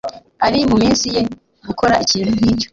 Ari munsi ye gukora ikintu nkicyo